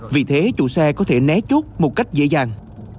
vì thế chủ xe có thể né chốt một cách dễ dàng